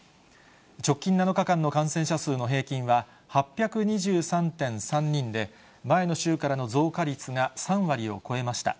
直近７日間の感染者数の平均は、８２３．３人で、前の週からの増加率が３割を超えました。